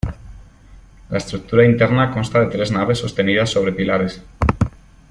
La estructura interna consta de tres naves sostenidas sobre pilares.